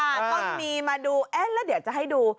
ต้องมีมาดูแล้วเดี๋ยวจะให้ดู